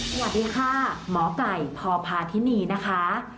สวัสดีค่ะหมอไก่พพาธินีนะคะ